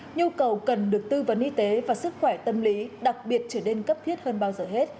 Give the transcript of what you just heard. nhu cầu cần được tư vấn y tế và sức khỏe tâm lý đặc biệt trở nên cấp thiết hơn bao giờ hết